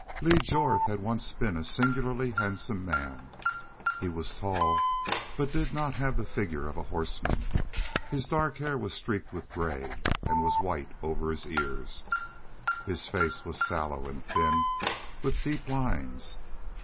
Lee Jorth had once been a singularly handsome man. He was tall, but did not have the figure of a horseman. His dark hair was streaked with gray, and was white over his ears. His face was sallow and thin, with deep lines.